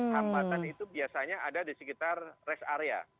hambatan itu biasanya ada di sekitar rest area